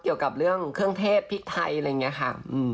เกี่ยวกับเรื่องเครื่องเทศพริกไทยอะไรอย่างนี้ค่ะ